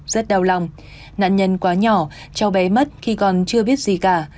rất đau lòng nạn nhân quá nhỏ cháu bé mất khi còn chưa biết gì cả